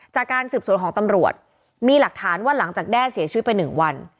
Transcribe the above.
จากการสืบสวนของตำรวจมีหลักฐานว่าหลังจากแด้เสียชีวิตไป๑วัน